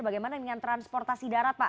bagaimana dengan transportasi darat pak